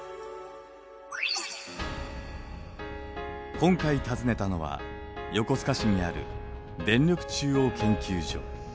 今回訪ねたのは横須賀市にある電力中央研究所。